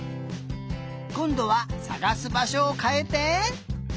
こんどはさがすばしょをかえて。